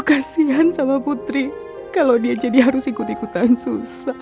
kasihan sama putri kalau dia jadi harus ikut ikutan susah